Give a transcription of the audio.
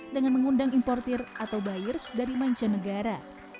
dengan mengundang importer atau buyers dari mancanegara